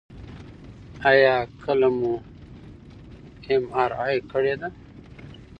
ایا کله مو ام آر آی کړې ده؟